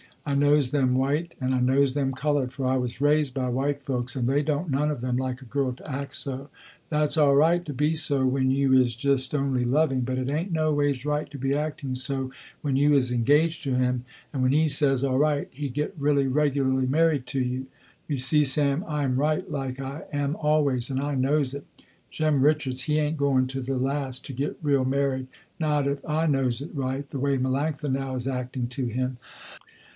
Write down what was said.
I knows them white and I knows them colored, for I was raised by white folks, and they don't none of them like a girl to act so. That's all right to be so when you is just only loving, but it ain't no ways right to be acting so when you is engaged to him, and when he says, all right he get really regularly married to you. You see Sam I am right like I am always and I knows it. Jem Richards, he ain't going to the last to get real married, not if I knows it right, the way Melanctha now is acting to him.